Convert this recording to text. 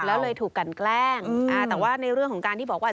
แล้วเลยถูกกันแกล้งแต่ว่าในเรื่องของการที่บอกว่า